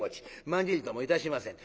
まんじりともいたしません。